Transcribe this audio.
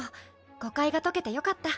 誤解が解けてよかった。